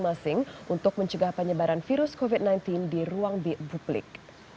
jumat juga diwajibkan untuk mencegah penyebaran virus covid sembilan belas di ruang b publik